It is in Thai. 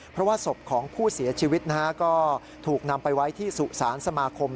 เพราะว่าศพของผู้เสียชีวิตนะฮะก็ถูกนำไปไว้ที่สุสานสมาคม